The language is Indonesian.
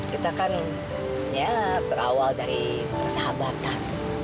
kita kan ya berawal dari persahabatan